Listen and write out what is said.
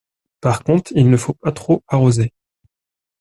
Par contre, il ne faut pas trop arroser.